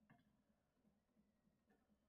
Ilgarigiday Maʼsumaga kitob keltirish ham kamaygan.